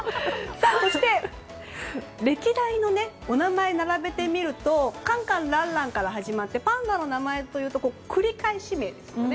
そして、歴代のお名前を並べてみるとカンカン、ランランから始まりパンダの名前というと繰り返し名ですよね。